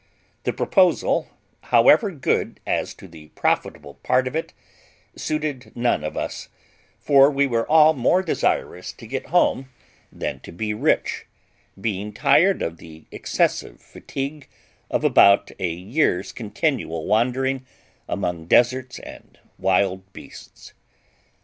The proposal, however good as to the profitable part of it, suited none of us, for we were all more desirous to get home than to be rich, being tired of the excessive fatigue of above a year's continual wandering among deserts and wild beasts.